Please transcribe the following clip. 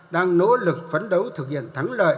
đang nỗ lực phấn đấu thực hiện thắng lợi